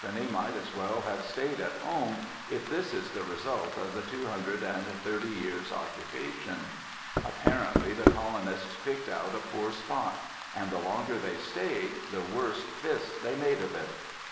might as well have stayed at home, if this is the result of the two hundred and thirty years' occupation. Apparently the colonists picked out a poor spot; and the longer they stayed, the worse fist they made of it.